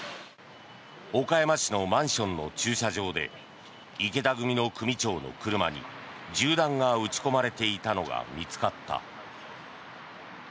岡山市のマンションの駐車場で池田組の組長の車に銃弾が撃ち込まれていたのが見つかった。